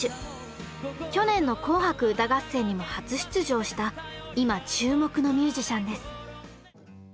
去年の「紅白歌合戦」にも初出場した今注目のミュージシャンです。